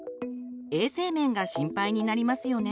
衛生面が心配になりますよね。